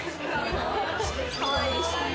かわいい！